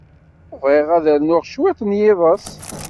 Bɣiɣ ad rnuɣ cwiṭ n yiḍes.